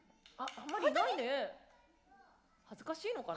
本当に？恥ずかしいのかな？